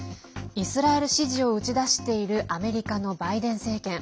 イスラエル支持を打ち出しているアメリカのバイデン政権。